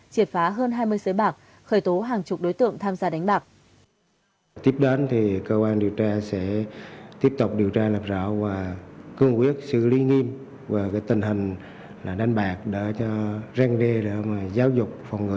triệt phá hơn hai mươi sới bạc khởi tố hàng chục đối tượng tham gia đánh bạc